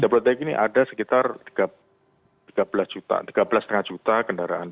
jabodetabek ini ada sekitar tiga belas juta tiga belas lima juta kendaraan